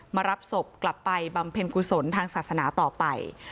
รับศพกลับไปบำเพ็ญกุศลทางศาสนาต่อไป